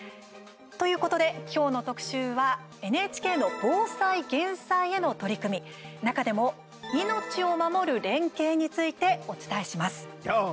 ということで、今日の特集はＮＨＫの防災・減災への取り組み中でも、命を守る連携についてお伝えします。